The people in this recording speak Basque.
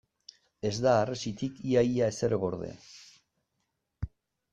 Ez da harresitik ia-ia ezer gorde.